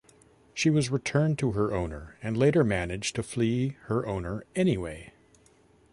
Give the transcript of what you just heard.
She was returned to her owner and later managed to flee her owner anyway.